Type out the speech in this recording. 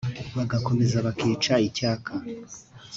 Bagakomeza bakica icyaka